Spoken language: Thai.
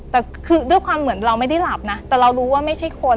แต่คือด้วยความเหมือนเราไม่ได้หลับนะแต่เรารู้ว่าไม่ใช่คน